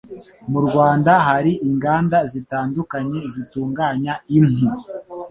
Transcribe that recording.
mu Rwanda hari inganda zitandukanye zitunganya impu